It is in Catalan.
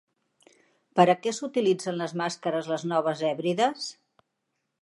Per a què s'utilitzen les màscares les Noves Hèbrides?